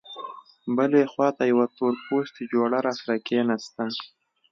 بلې خوا ته یوه تورپوستې جوړه راسره کېناسته.